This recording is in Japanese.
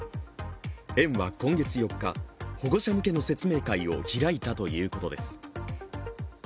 園は今月４日、保護者向けの説明会を開いたということです。